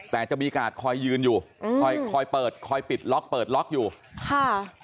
แต่จะมีกาดคอยยืนอยู่อืมคอยคอยเปิดคอยปิดล็อกเปิดล็อกอยู่ค่ะ